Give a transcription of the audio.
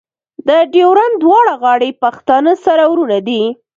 د ډیورنډ دواړه غاړې پښتانه سره ورونه دي.